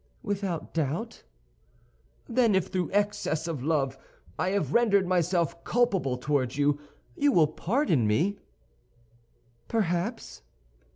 "Without doubt." "Then if through excess of love I have rendered myself culpable toward you, you will pardon me?" "Perhaps."